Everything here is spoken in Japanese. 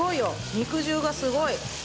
肉汁がすごい。